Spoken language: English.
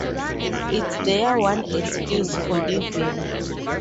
It's their one excuse for living.